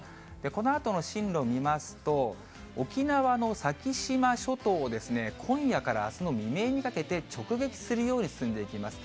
このあとの進路を見ますと、沖縄の先島諸島ですね、今夜からあすの未明にかけて直撃するように進んでいきます。